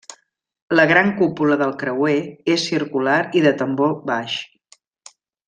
La gran cúpula del creuer és circular i de tambor baix.